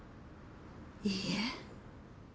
いいえ。